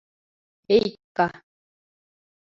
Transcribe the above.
Эйкка.